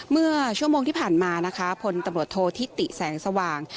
เมื่อชั่วโมงที่ผ่านมานะคะพลตำรวจโทษธิติแสงสว่าง